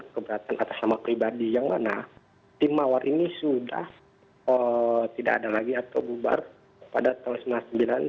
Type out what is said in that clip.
keberatan atas nama pribadi yang mana tim mawar ini sudah tidak ada lagi atau bubar pada tahun seribu sembilan ratus sembilan puluh sembilan